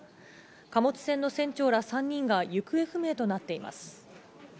貨物船の船長ら３人が行方不明となっています。